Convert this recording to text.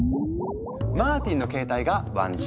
マーティンの携帯が１Ｇ。